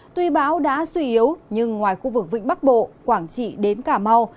tuy bão đã suy yếu nhưng ngoài khu vực vĩnh bắc bộ quảng trị đến cà mau